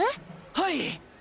はい！